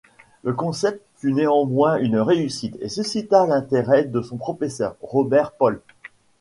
Le concept fut néanmoins une réussite et suscita l'intérêt de son professeur, Robert Pohl.